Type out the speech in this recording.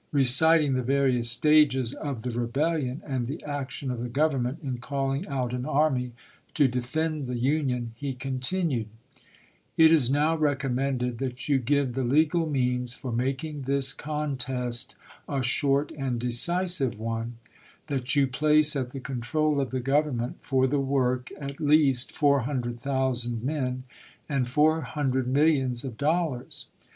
Reciting the various stages of the rebellion and the action of the Government in calling out an army to defend the Union, he continued : It is now recommended that you give the legal means for making this contest a short and decisive one; that you place at the control of the Government, for the work, at least four hundred thousand men, and four hundred millions of dollars.